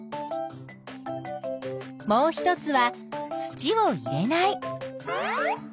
もう一つは土を入れない。